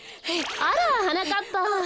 あらはなかっぱ。